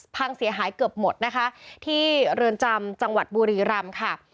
พังเสียหายเกือบหมดนะคะที่เรือนจำจังหวัดบุรีรำค่ะ